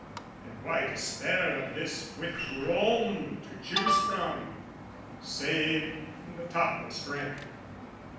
And why despair of this With Rome to choose from, save the topmost rank?